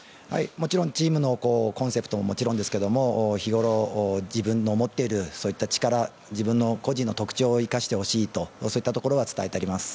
もちろんチームのコンセプトももちろんですが日頃、自分の持っている力を個人の特徴を生かしてほしいとそういったところは伝えてあります。